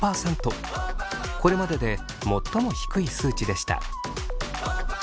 これまでで最も低い数値でした。